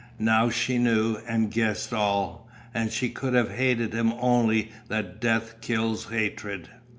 Now she knew and guessed all, and she could have hated him only that death kills hatred.